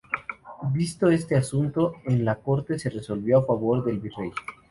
Visto este asunto en la Corte se resolvió a favor del virrey.